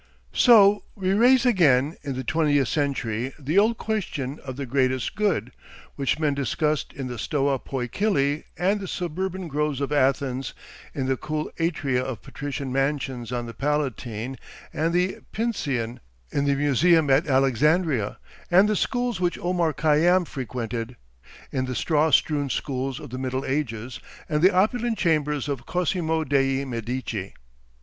So we raise again, in the twentieth century, the old question of 'the greatest good,' which men discussed in the Stoa Poikile and the suburban groves of Athens, in the cool atria of patrician mansions on the Palatine and the Pincian, in the Museum at Alexandria, and the schools which Omar Khayyam frequented, in the straw strewn schools of the Middle Ages and the opulent chambers of Cosimo dei Medici."